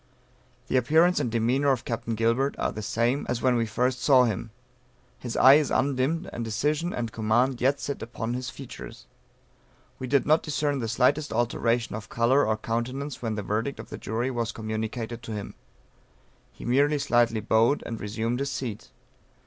"The appearance and demeanor of Captain Gilbert are the same as when we first saw him; his eye is undimmed, and decision and command yet sit upon his features. We did not discern the slightest alteration of color or countenance when the verdict of the jury was communicated to him; he merely slightly bowed and resumed his seat.